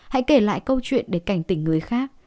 hãy kể lại câu chuyện để cảnh tỉnh người khác